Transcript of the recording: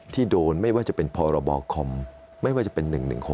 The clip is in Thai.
ที่โดนไม่ว่าจะเป็นพรบคอมไม่ว่าจะเป็น๑๑๖